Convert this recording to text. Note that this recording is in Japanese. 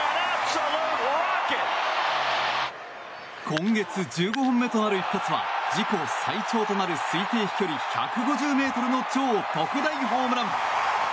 今月１５本目となる一発は自己最長となる推定飛距離１５０ｍの超特大ホームラン！